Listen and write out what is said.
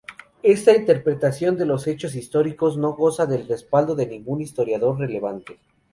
Esta interpretación de los hechos históricos no goza del respaldo de ningún historiador relevante.